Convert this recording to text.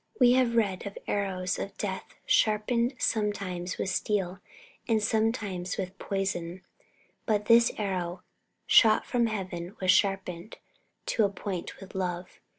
We have read of arrows of death sharpened sometimes with steel and sometimes with poison; but this arrow, shot from heaven, was sharpened to a point with love.